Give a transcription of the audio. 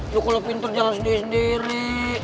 lu kalau pintar jangan sendiri sendiri